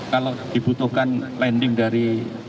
kalau dibutuhkan landing dari